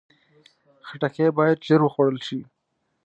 خټکی باید ژر وخوړل شي.